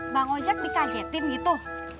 bang oja dikagetin gitu